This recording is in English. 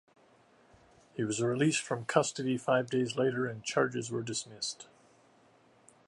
He was released from custody five days later and charges were dismissed.